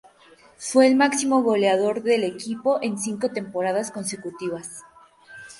Fue el máximo goleador del equipo en cinco temporadas consecutivas.